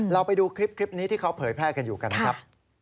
เราไปดูคลิปนี้ที่เขาเผยแพร่กันอยู่กันนะครับ